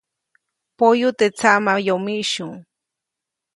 Poyu teʼ tsaʼmayomiʼsyu.